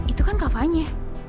itu kan fahnya